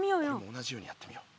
同じようにやってみよう。